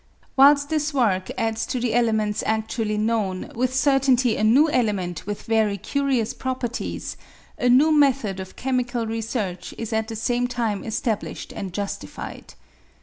Whilst this work adds to the elements atftually known with certainty a new element with very curious properties, a new method of chemical research is at the same time established and justified.